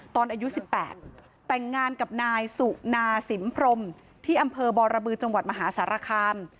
ตอนอายุ๑๘แต่งงานกับนายสุนาสิมพรมที่อำเภอบรบือจังหวัดมหาสารคาม